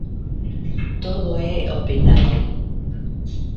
Todo é opinábel.